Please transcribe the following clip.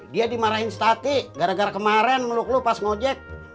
dia dimarahin stati gara gara kemarin meluk lu pas ngojek